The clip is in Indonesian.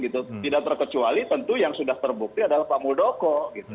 tidak terkecuali tentu yang sudah terbukti adalah pak muldoko